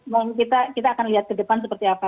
mungkin nanti kita akan lihat ke depan seperti apa